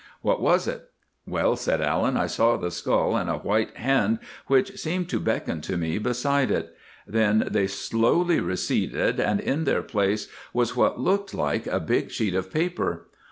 "What was it?" "Well," said Allan, "I saw the skull and a white hand which seemed to beckon to me beside it. Then they slowly receded and in their place was what looked like a big sheet of paper.